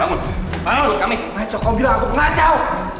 bangun bangun kami pengacau kamu bilang aku pengacau